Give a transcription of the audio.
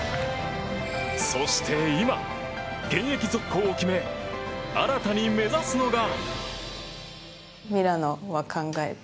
そして今、現役続行を決め新たに目指すのが。